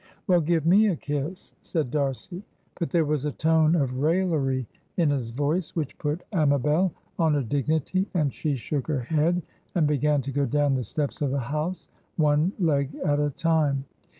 "Well, give me a kiss," said D'Arcy. But there was a tone of raillery in his voice which put Amabel on her dignity, and she shook her head, and began to go down the steps of the house, one leg at a time.